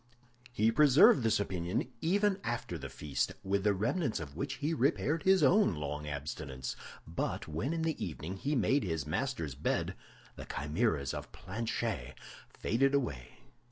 He preserved this opinion even after the feast, with the remnants of which he repaired his own long abstinence; but when in the evening he made his master's bed, the chimeras of Planchet faded away.